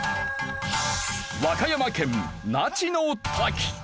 和歌山県那智の滝。